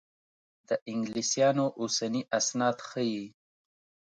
د انګلیسیانو اوسني اسناد ښيي.